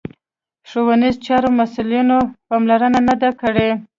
د ښوونیزو چارو مسوولینو پاملرنه نه ده کړې